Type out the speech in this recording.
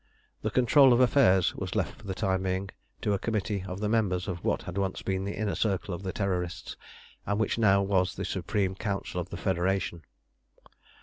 The control of affairs was left for the time being to a committee of the members of what had once been the Inner Circle of the Terrorists, and which was now the Supreme Council of the Federation.